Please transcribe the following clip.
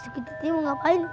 sekutiti mau ngapain